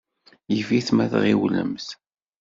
Yif-it ma tɣiwlemt.